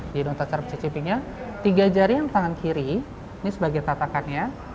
jadi untuk cara cicipinya tiga jari yang tangan kiri ini sebagai tatakannya